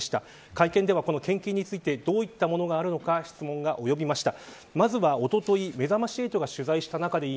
会見ではこの献金についてどういったものがあるのか質問が及びました。